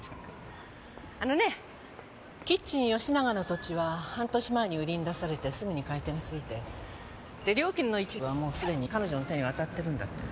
あのねぇキッチンよしながの土地は半年前に売りに出されてすぐに買い手がついて料金の一部はもうすでに彼女の手に渡ってるんだって。